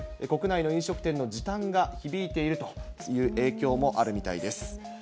国内の飲食店の時短が響いているという影響もあるみたいです。